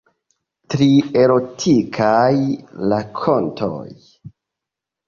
Tri erotikaj rakontoj.